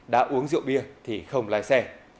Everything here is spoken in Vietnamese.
đã uống rượu bia thì không lái xe